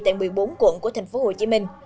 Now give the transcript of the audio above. tại một mươi bốn quận của thành phố hồ chí minh